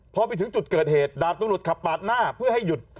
พอไปถึงจุดเกิดเหตุดาบตำรวจขับปาดหน้าเพื่อให้หยุด